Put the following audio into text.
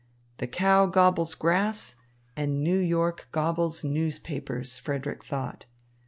"The cow gobbles grass, and New York gobbles newspapers," Frederick thought.